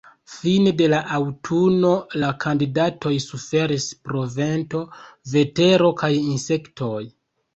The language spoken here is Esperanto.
Fine de la aŭtuno la kandidatoj suferis pro vento, vetero kaj insektoj.